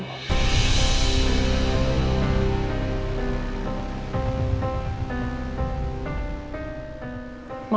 dan dia mencari kamu